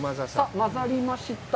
まざりました。